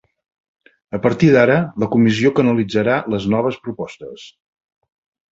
A partir d'ara, la comissió canalitzarà les noves propostes.